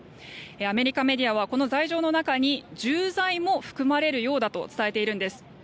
アメリカメディアはこの罪状の中に重罪も含まれるようだと伝えているんです。